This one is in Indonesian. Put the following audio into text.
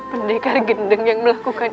pendekar gendeng yang melakukan